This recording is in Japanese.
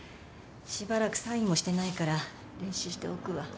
しばらくサインもしてないから練習しておくわ。